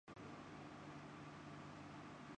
کے ذریعے خود پر ہوئی تنقید